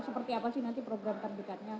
seperti apa sih nanti program terdekatnya